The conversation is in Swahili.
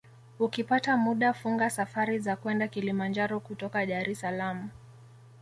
Ukipata muda funga safari za kwenda Kilimanjaro kutoka Dar es Salaam